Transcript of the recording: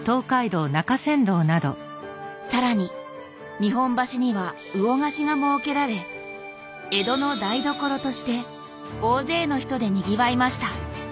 さらに日本橋には魚河岸が設けられ江戸の台所として大勢の人でにぎわいました。